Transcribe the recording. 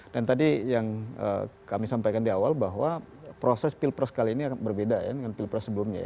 dan tadi yang kami sampaikan di awal bahwa proses pilpres kali ini berbeda ya dengan pilpres sebelumnya ya